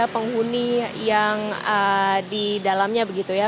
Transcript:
penghuni yang di dalamnya begitu ya